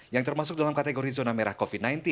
yang termasuk dalam kategori zona merah covid sembilan belas